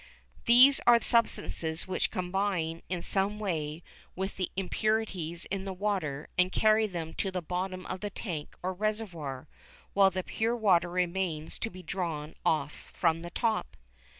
These are substances which combine in some way with the impurities in the water, and carry them to the bottom of the tank or reservoir, while the pure water remains to be drawn off from the top.